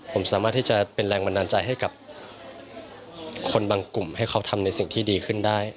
ผมสามารถที่จะเป็นแรงบันดาลใจให้กับคนบางกลุ่มให้เขาทำในสิ่งที่ดีขึ้นได้